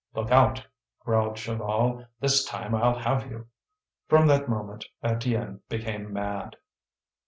"Look out!" growled Chaval. "This time I'll have you." From that moment Étienne became mad.